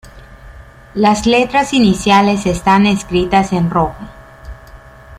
Las letras iniciales están escritas en rojo.